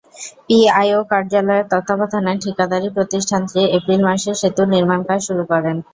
PIO কার্যালয়ের তত্ত্বাবধানে ঠিকাদারি প্রতিষ্ঠানটি এপ্রিল মাসে সেতুর নির্মাণকাজ শুরু করে।